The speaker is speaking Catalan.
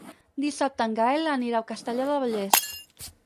Dissabte en Gaël anirà a Castellar del Vallès.